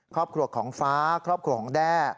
ครอบครัวของฟ้าครอบครัวของแด้